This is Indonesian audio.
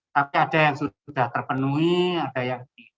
tapi ada yang sudah terpenuhi ada yang di